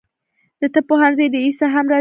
د طب پوهنځي رییسه هم راځي.